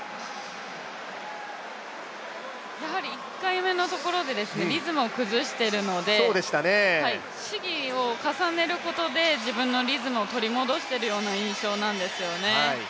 やはり１回目のところでリズムを崩してるので試技を重ねることで自分のリズムを取り戻しているような印象なんですよね。